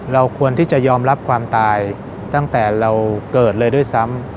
เราควรที่จะยอมรับความตายตั้งแต่เราเกิดเลยด้วยซ้ำ